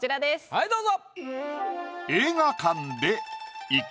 はいどうぞ。